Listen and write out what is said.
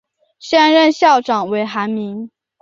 现任校长为韩民。